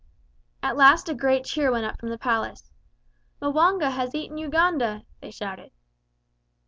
At last a great cheer went up from the Palace. "M'wanga has eaten Uganda!" they shouted.